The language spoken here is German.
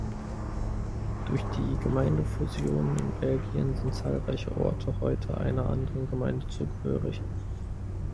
Durch die Gemeindefusionen in Belgien sind zahlreiche Orte heute einer anderen Gemeinde zugehörig.